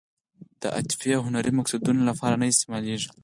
د عاطفي او هنري مقصدونو لپاره نه استعمالېږي.